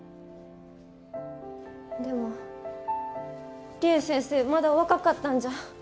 でもりえ先生まだお若かったんじゃ。